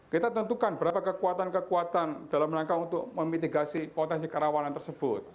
kita tentukan berapa kekuatan kekuatan dalam rangka untuk memitigasi potensi kerawanan tersebut